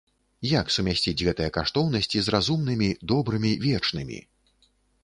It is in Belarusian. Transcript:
Як сумясціць гэтыя каштоўнасці з разумнымі, добрымі, вечнымі?